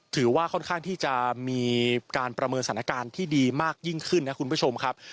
ถือว่าค่อนข้างที่จะมีการประเมินสถานการณ์ที่ดีมากยิ่งขึ้นนะคุณผู้ชมครับ